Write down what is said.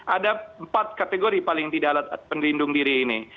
ada empat kategori paling tidak alat pelindung diri ini